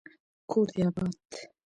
کور دي اباد